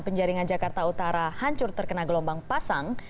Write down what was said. penjaringan jakarta utara hancur terkena gelombang pasang